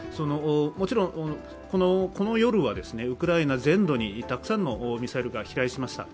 もちろんこの夜は、ウクライナ全土にたくさんのミサイルが飛来しました。